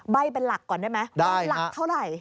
ใบ้เป็นหลักก่อนได้ไหมหลักเท่าไหร่